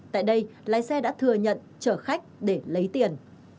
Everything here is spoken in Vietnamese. tại đây lái xe đã thừa nhận chở khách để lấy tiền